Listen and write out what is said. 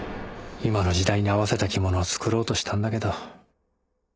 今の時代に合わせた着物を作ろうとしたんだけど。